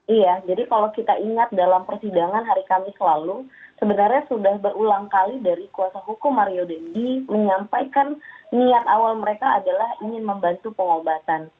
iya jadi kalau kita ingat dalam persidangan hari kamis lalu sebenarnya sudah berulang kali dari kuasa hukum mario dendi menyampaikan niat awal mereka adalah ingin membantu pengobatan